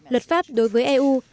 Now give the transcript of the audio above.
luật pháp đối với eu